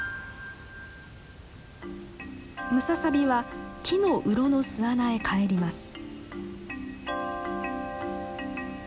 ムササビは木の洞の巣穴へ帰ります。